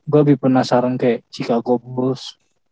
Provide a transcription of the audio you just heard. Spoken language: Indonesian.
gue lebih penasaran kayak chicago bulls